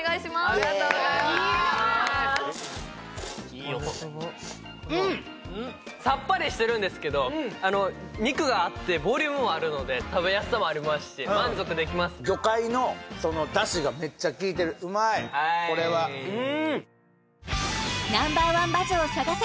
ありがとうございます・いい音さっぱりしてるんですけど肉があってボリュームもあるので食べやすさもありますし満足できます魚介のそのだしがめっちゃ効いてるうまいこれはＮｏ．１バズを探せ！